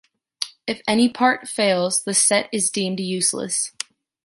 If any part fails, the set is deemed useless.